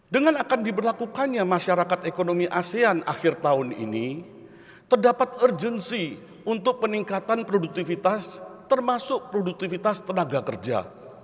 dengan akan diberlakukannya masyarakat ekonomi asean akhir tahun ini terdapat urgensi untuk peningkatan produktivitas termasuk produktivitas tenaga kerja